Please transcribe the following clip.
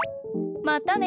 またね！